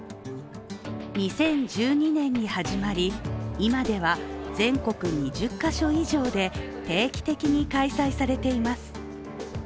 ２０１２年に始まり、今では全国２０か所以上で定期的に開催されています。